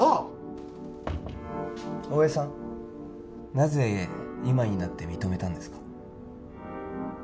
なぜ今になって認めたんですか？